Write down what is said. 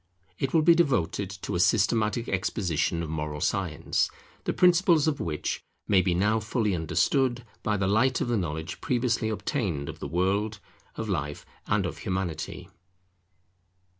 It will be devoted to a systematic exposition of Moral Science, the principles of which may be now fully understood by the light of the knowledge previously obtained of the World, of Life, and of Humanity.